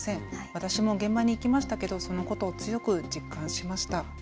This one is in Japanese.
私も現場に行きましたけどそのことを強く実感しました。